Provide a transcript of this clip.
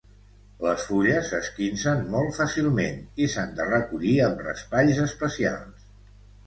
Les fulles s'esquincen molt fàcilment i s'han de recollir amb raspalls especials.